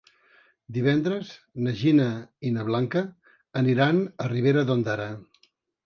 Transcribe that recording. Divendres na Gina i na Blanca aniran a Ribera d'Ondara.